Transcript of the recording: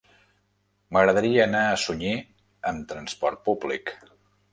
M'agradaria anar a Sunyer amb trasport públic.